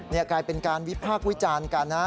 นี่กลายเป็นการวิพากษ์วิจารณ์กันนะ